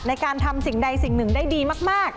ในการทำสิ่งใดสิ่งหนึ่งได้ดีมาก